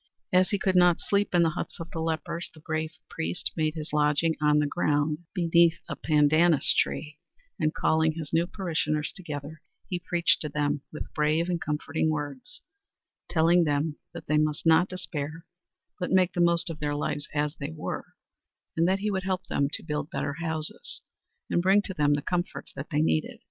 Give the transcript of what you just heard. As he could not sleep in the huts of the lepers, the brave priest made his lodging on the ground beneath a pandanus tree, and calling his new parishioners together he preached to them with brave and comforting words, telling them that they must not despair, but make the most of their lives as they were, and that he would help them to build better houses and bring to them the comforts that they needed.